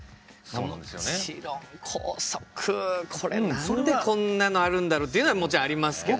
もちろん校則これ何でこんなのあるんだろうっていうのはもちろんありますけどね。